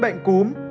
chín bệnh cúm